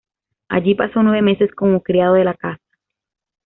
Allí pasó nueve meses como criado de la casa.